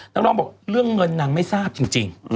น้องร้องบอกเรื่องเงินนางไม่ทราบจริง